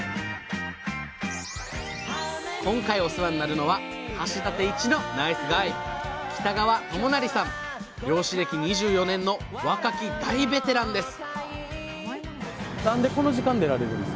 今回お世話になるのは橋立一のナイスガイ漁師歴２４年の若き大ベテランです